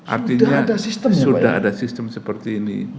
artinya sudah ada sistem seperti ini